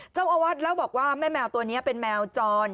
เจ้าอาวาสเล่าบอกว่าแม่แมวตัวนี้เป็นแมวจร